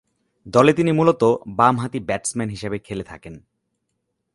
দলে তিনি মূলতঃ বামহাতি ব্যাটসম্যান হিসেবে খেলে থাকেন।